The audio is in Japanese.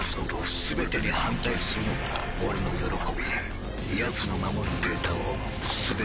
全てに反対するのが俺の喜びやつの守るデータを全て奪うのだ！